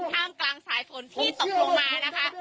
ท่ามกลางสายฝนที่ตกลงมานะคะ